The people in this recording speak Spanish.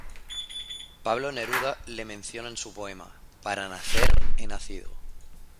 Pablo Neruda le menciona en su poema "Para nacer he nacido".